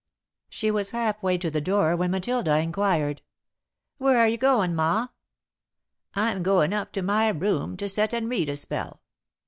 She was half way to the door when Matilda inquired: "Where are you goin', Ma?" "I'm goin' up to my room, to set and read a spell."